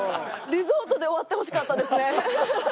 リゾートで終わってほしかったですね